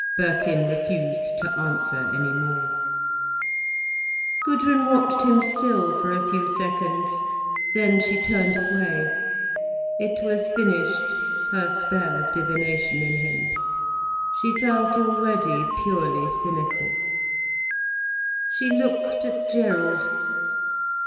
Birkin refused to answer any more. Gudrun watched him still for a few seconds. Then she turned away. It was finished, her spell of divination in him. She felt already purely cynical. She looked at Gerald.